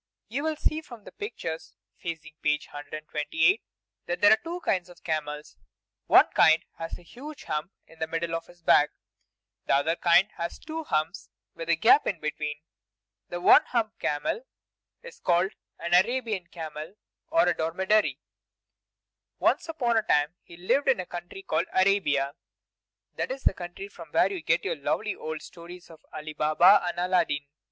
You will see from the pictures facing page 128 that there are two kinds of camels; one kind has a huge hump on the middle of his back; and the other kind has two humps, with a gap between. The One Hump camel is called an Arabian camel, or a dromedary. Once upon a time he lived in the country called Arabia; that is the country from where you get your lovely old stories of Ali Baba and Aladdin.